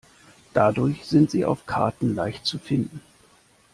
Dadurch sind sie auf Karten leicht zu finden.